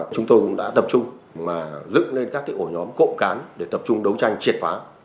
chúng tôi cũng đã tập trung dựng lên các ổ nhóm cộng cán để tập trung đấu tranh triệt phá